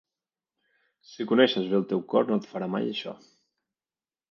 Si coneixes bé el teu cor, no et farà mai això.